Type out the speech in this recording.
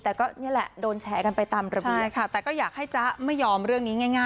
แต่ก็นี่แหละโดนแชร์กันไปตามระเบียบค่ะแต่ก็อยากให้จ๊ะไม่ยอมเรื่องนี้ง่าย